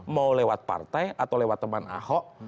mau lewat partai atau lewat teman ahok